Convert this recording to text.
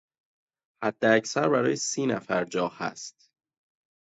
حداکثر برای سینفر جا هست.